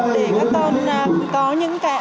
để các con có những cái